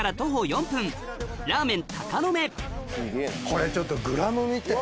これちょっとグラム見て。